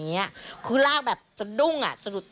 ได้นำเรื่องราวมาแชร์ในโลกโซเชียลจึงเกิดเป็นประเด็นอีกครั้ง